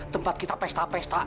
tempat kita pesta pesta